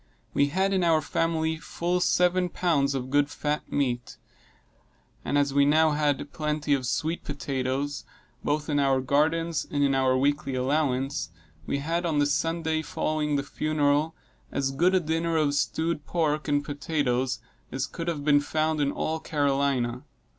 We had, in our family, full seven pounds of good fat meat; and as we now had plenty of sweet potatoes, both in our gardens and in our weekly allowance, we had on the Sunday following the funeral, as good a dinner of stewed pork and potatoes as could have been found in all Carolina.